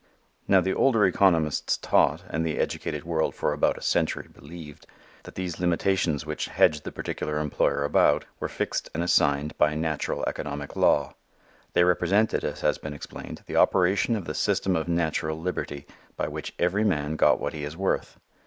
Now the older economists taught, and the educated world for about a century believed, that these limitations which hedged the particular employer about were fixed and assigned by natural economic law. They represented, as has been explained, the operation of the system of natural liberty by which every man got what he is worth.